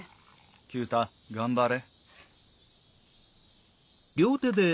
九太頑張れ。